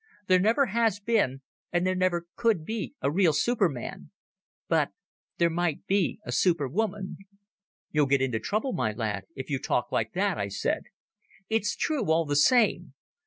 There never has been, and there never could be a real Superman ... But there might be a Superwoman." "You'll get into trouble, my lad, if you talk like that," I said. "It's true all the same.